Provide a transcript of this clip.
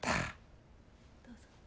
どうぞ。